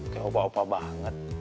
kayak opa opa banget